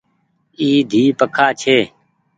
اي ۮي پکآن ڇي